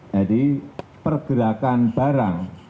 jadi pergerakan barang